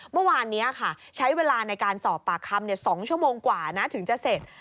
เมื่อวานนี้ค่ะใช้เวลาในการสอบปากคำ๒ชั่วโมงกว่านะถึงจะเสร็จ